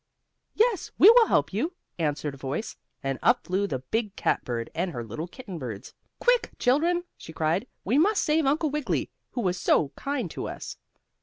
"Yes, we will help you!" answered a voice, and up flew the big cat bird, and her little kitten birds. "Quick, children!" she cried, "we must save Uncle Wiggily, who was so kind to us!